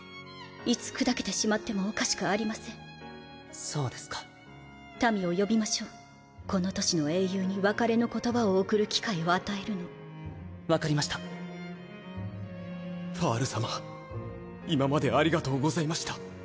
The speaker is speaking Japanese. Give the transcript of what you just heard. いつ砕けてしまってもおかしくありまそうですか民を呼びましょうこの都市の英雄に別れの言葉を送る機分かりましたパール様今までありがとうございまし